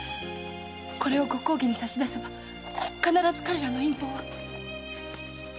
これをご公儀に差し出せば必ず彼らの陰謀は。